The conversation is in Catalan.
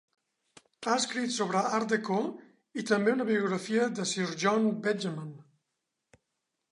Ha escrit sobre art déco, i també una biografia de Sir John Betjeman.